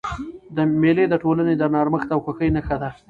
مېلې د ټولني د نرمښت او خوښۍ نخښه ده.